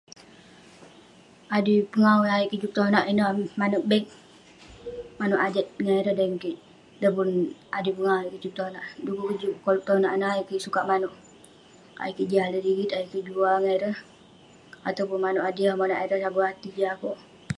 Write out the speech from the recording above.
"Adui pengawu yah ayuk kik juk petonak ineh, manouk ""bag"",manouk ajat ngan ireh dan kik, dan pun adui juk pongah ayuk kik juk petonak .Du'kuk kik juk koluk petonak ineh, ayuk kik sukat manouk ,akouk kik juk alek rigit, ayuk kik jual ngan ireh, ataupun manouk hadiah monak ireh saguhati jin akouk "